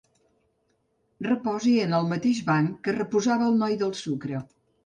Reposi en el mateix banc que reposava el noi del Sucre.